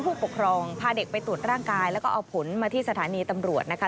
ผู้ปกครองพาเด็กไปตรวจร่างกายแล้วก็เอาผลมาที่สถานีตำรวจนะคะ